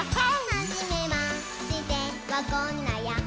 「２どめましてはこんなやっほ」